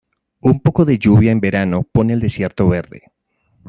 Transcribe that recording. Un poco de lluvia en verano pone al desierto verde.